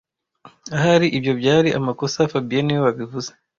Ahari ibyo byari amakosa fabien niwe wabivuze